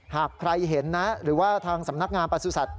หากใครเห็นหรือว่าทางสำนักงานปศสัตว์